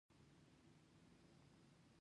دښمن تل په تور نیت راڅرګندېږي